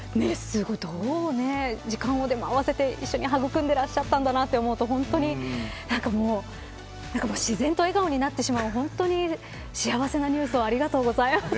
どう時間を合わせて一緒に育んでいらっしゃったんだと思うと自然と笑顔になってしまう本当に幸せなニュースをありがとうございました。